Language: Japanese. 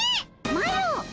マロ！